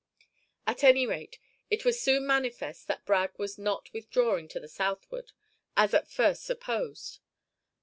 At any rate it was soon manifest that Bragg was not withdrawing to the southward, as at first supposed.